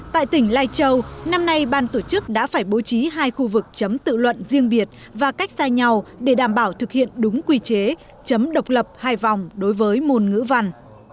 tại tỉnh lai châu năm nay ban tổ chức đã phải bố trí hai khu vực chấm tự luận riêng biệt và cách sai nhau để đảm bảo thực hiện đúng quy chế chấm độc lập hai vòng đối với môn ngữ văn